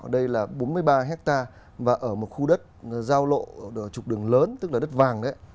đây là bốn mươi ba hecta và ở một khu đất giao lộ ở trục đường lớn tức là đất vàng đấy